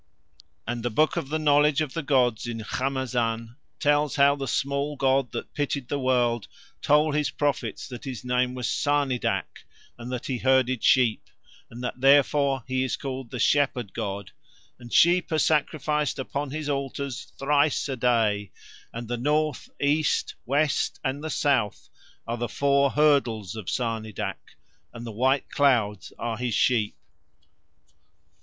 And the Book of the Knowledge of the gods in Khamazan tells how the small god that pitied the world told his prophets that his name was Sarnidac and that he herded sheep, and that therefore he is called the shepherd god, and sheep are sacrificed upon his altars thrice a day, and the North, East, West and the South are the four hurdles of Sarnidac and the white clouds are his sheep.